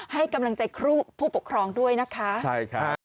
ให้กำลังใจครูผู้ปกครองด้วยนะคะใช่ค่ะ